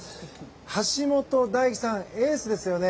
橋本大輝さん、エースですよね。